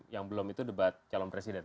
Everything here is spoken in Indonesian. yang belum itu debat calon presiden